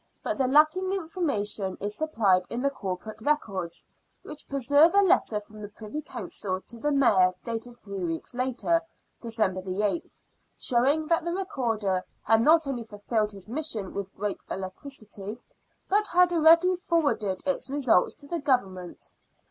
But the lacking information is supplied in the corporate records, which preserve a letter from the Privy Council to the Mayor dated three weeks later, December 8th, showing that the Recorder had not only fulfilled his mission with great alacrity, but had already forwarded its results to the Government.